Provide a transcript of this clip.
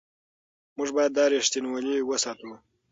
موږ باید دا رښتینولي وساتو.